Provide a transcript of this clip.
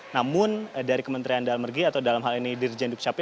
namun dari kementerian dalam negeri atau dalam hal ini dirjen dukcapil